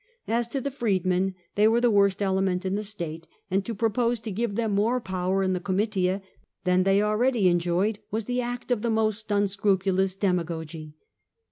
As to the freedmen, they were the worst element in the state, and to propose to give them more power in the Oomitia than they already enjoyed was the act of the most un scrupulous demagogy.